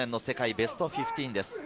ベスト１５です。